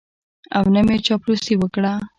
او نه مې چاپلوسي وکړه.